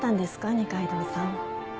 二階堂さん。